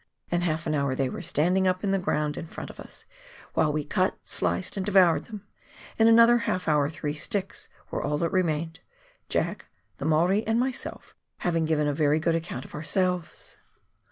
In half an hour they were standing up in the ground in front of us, while we cut, sliced, and devoured them, and in another half hour three sticks were all that remained, " Jack," the Maori and myself having given a very good account of ourselves